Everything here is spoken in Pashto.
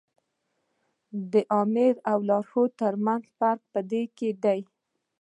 د آمر او لارښود تر منځ فرق په دې کې دی.